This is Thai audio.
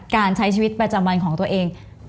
การใช้ชีวิตประจำวันของตัวเอง